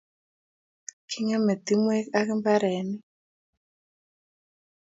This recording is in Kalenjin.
Kingeme timwek ak mbarenik